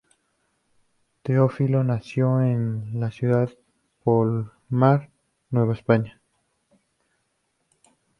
Teófilo nació en la ciudad de Porlamar, Nueva Esparta.